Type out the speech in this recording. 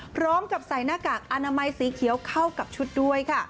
พร้อมใส่หน้ากากอนามัยสีเขียวค่าวกับชุดด้วย